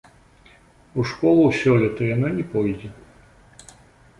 У школу сёлета яна не пойдзе.